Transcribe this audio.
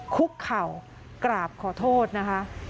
คุกเข่ากราบขอโทษนะคะ